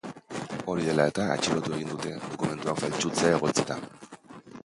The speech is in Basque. Hori dela eta, atxilotu egin dute, dokumentuak faltsutzea egotzita.